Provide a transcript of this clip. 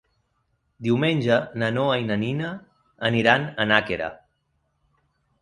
Diumenge na Noa i na Nina aniran a Nàquera.